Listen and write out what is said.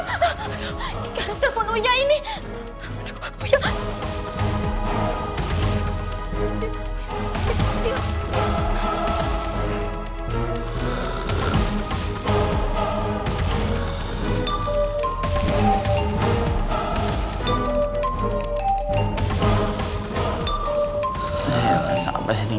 gak harus telepon uya ini